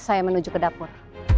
saya menuju ke dapur